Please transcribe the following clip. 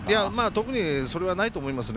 特に、それはないと思います。